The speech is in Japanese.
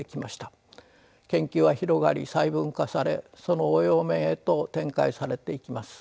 研究は広がり細分化されその応用面へと展開されていきます。